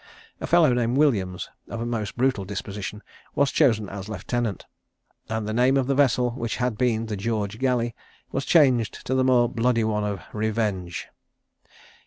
A fellow named Williams, of a most brutal disposition, was chosen as lieutenant; and the name of the vessel, which had been the George Galley, was changed to the more bloody one of Revenge.